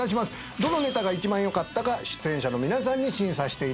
どのネタが一番よかったか出演者の皆さんに審査していただきます。